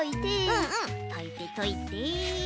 うんうんといてといて。